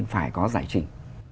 phải có giải trình